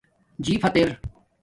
جِیی فت ار